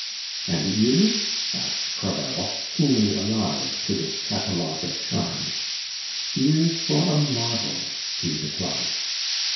"And ears?" asked Crevel, keenly alive to this catalogue of charms. "Ears for a model," she replied.